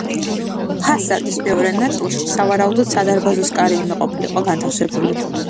ფასადის მეორე ნაწილში, სავარაუდოდ, სადარბაზოს კარი უნდა ყოფილიყო განთავსებული.